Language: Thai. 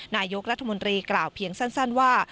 นายกรัฐมนตรีกล่าวเพียงสั้นว่า